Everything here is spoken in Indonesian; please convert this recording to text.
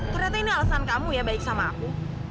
ternyata ini alasan kamu ya baik sama aku